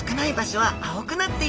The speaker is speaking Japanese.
はい。